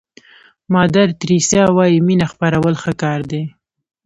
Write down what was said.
مادر تریسیا وایي مینه خپرول ښه کار دی.